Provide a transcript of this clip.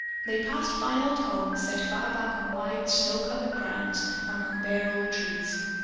They passed fine old homes set far back on wide snow covered grounds among bare old trees.